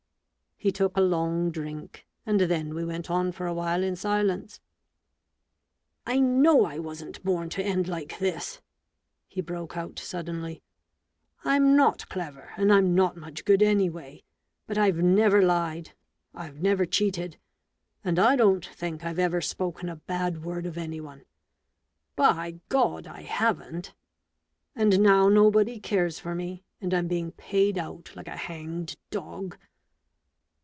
He took a long drink; and then we went on for a while in silence. "I know I wasn't born to end like this!' he broke out suddenly. "I'm not clever, and I'm not much good any way; but I've never lied, I*ve never cheated, and I don't think I've ever spoken a bad word of any one. By God, I haven't! And now nobody cares for me, and I'm being paid out like a hanged dog!'